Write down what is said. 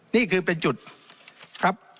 นี่คือเป็นจุดครับ